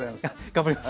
頑張ります。